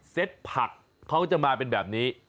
ผักเขาจะมาเป็นแบบนี้